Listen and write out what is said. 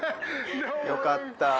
よかった。